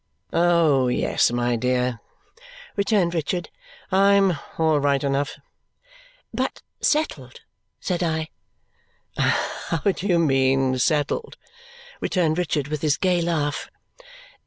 "Oh, yes, my dear!" returned Richard. "I'm all right enough." "But settled?" said I. "How do you mean, settled?" returned Richard with his gay laugh.